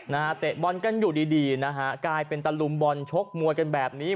เตะบอลกันอยู่ดีดีนะฮะกลายเป็นตะลุมบอลชกมวยกันแบบนี้